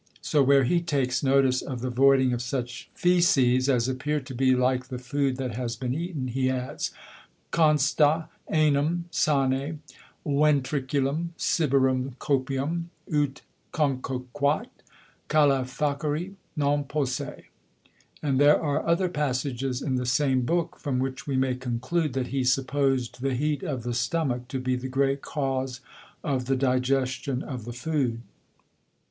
So where he takes notice of the voiding of such Fæces, as appear to be like the Food that has been eaten; he adds, Constat enim, sane ventriculum, ciborum copiam, ut concoquat, calefacere non posse. And there are other Passages in the same Book, from which we may conclude, that he suppos'd the Heat of the Stomach to be the great Cause of the Digestion of the Food.